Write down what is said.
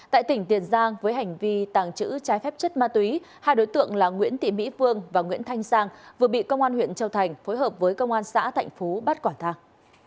tại tỉnh tiền giang với hành vi tàng trữ trái phép chất ma túy hai đối tượng là nguyễn thị mỹ phương và nguyễn thanh sang vừa bị công an huyện châu thành phối hợp với công an xã thạnh phú bắt quả thang